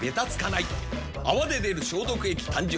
「泡で出る消毒液」誕生。